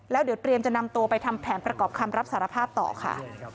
แล้วเดี๋ยวเตรียมจะนำตัวไปทำแผนประกอบคำรับสารภาพต่อค่ะ